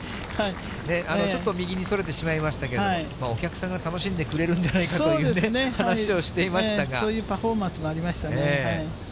ちょっと右にそれてしまいましたけれども、お客さんが楽しんでくれるんじゃないかという話をしてそういうパフォーマンスもありましたね。